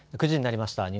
９時になりました。